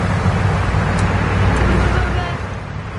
斯德哥尔摩市是瑞典中东部斯德哥尔摩省的一个自治市。